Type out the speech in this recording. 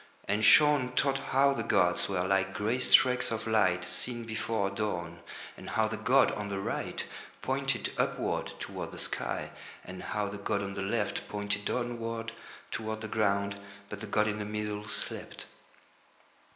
And Shaun taught how the gods were like grey streaks of light seen before dawn, and how the god on the right pointed upward toward the sky, and how the god on the left pointed downward toward the ground, but the god in the middle slept.